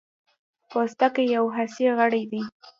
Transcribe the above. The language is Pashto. پوستکی یو حسي غړی دی.